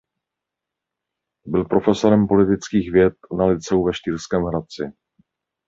Byl profesorem politických věd na lyceu ve Štýrském Hradci.